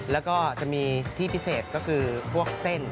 แล้วก็จะมีที่พิเศษก็คือพวกเส้น